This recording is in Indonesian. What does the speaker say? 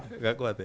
gak kuat ya